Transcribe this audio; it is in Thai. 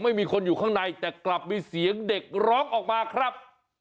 ไม่มีคนอยู่ข้างในแต่กลับมีเสียงเด็กร้องออกมาครับ